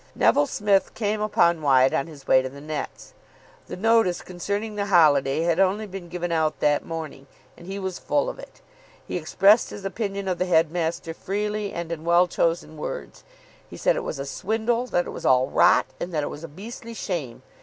Neville Smith came upon Wyatt on his way to the nets. The notice concerning the holiday had only been given out that morning, and he was full of it. He expressed his opinion of the headmaster freely and in well chosen words. He said it was a swindle, that it was all rot, and that it was a beastly shame.